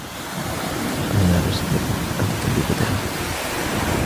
أنا لا أصدقك, أنت تكذب دائماً.